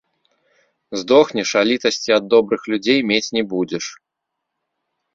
Здохнеш, а літасці ад добрых людзей мець не будзеш.